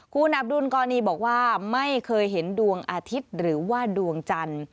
อับดุลกรณีบอกว่าไม่เคยเห็นดวงอาทิตย์หรือว่าดวงจันทร์